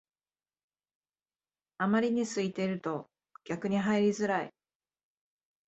あまりに空いてると逆に入りづらい